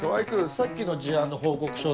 さっきの事案の報告書って。